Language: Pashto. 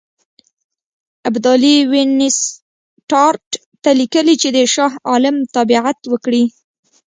ابدالي وینسیټارټ ته لیکلي چې د شاه عالم تابعیت وکړي.